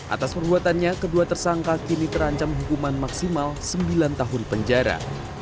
atas perbuatannya kedua tersangka kini terancam hukuman maksimal sembilan tahun penjara